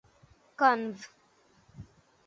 কনভ.